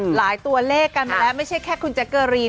ตัวเลขกันมาแล้วไม่ใช่แค่คุณแจ๊กเกอรีน